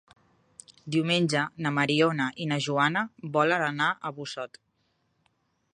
Diumenge na Mariona i na Joana volen anar a Busot.